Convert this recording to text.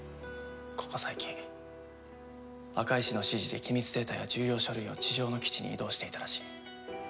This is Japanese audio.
ここ最近赤石の指示で機密データや重要書類を地上の基地に移動していたらしい。